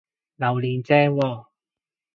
榴槤正喎！